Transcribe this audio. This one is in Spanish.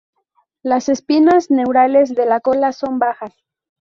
Las espinas neurales de la cola son bajas.